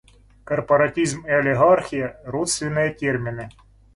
Корпоратизм и олигархия - родственные термины.